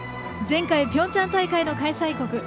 前回ピョンチャン大会の開催国。